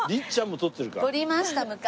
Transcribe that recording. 撮りました昔。